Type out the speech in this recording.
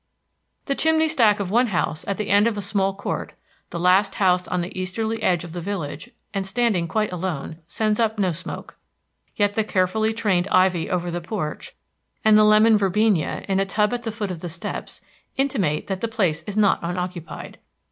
The chimney stack of one house at the end of a small court the last house on the easterly edge of the village, and standing quite alone sends up no smoke. Yet the carefully trained ivy over the porch, and the lemon verbena in a tub at the foot of the steps, intimate that the place is not unoccupied.